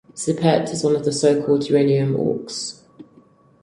Zippeite is one of the so-called 'uranium ochres'.